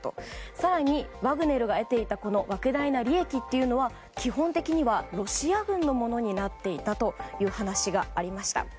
更に、ワグネルが得ていた莫大な利益っていうのは基本的にロシア軍のものになっていたという話がありました。